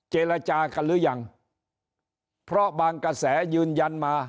เจรจากันหรือยังเพราะบางกระแสยืนยันมา